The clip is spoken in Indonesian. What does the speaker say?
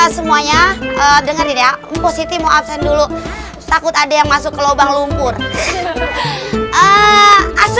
semuanya dengerin ya positive absen dulu takut ada yang masuk ke lubang lumpur asum